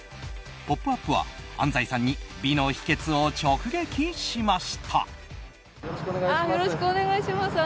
「ポップＵＰ！」は安西さんに美の秘訣を直撃しました。